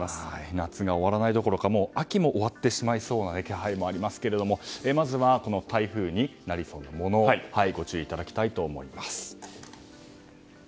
夏が終わらないどころか秋も終わってしまいそうな気配もありますが、まずはこの台風になりそうなものにご注意いただきたいと思います。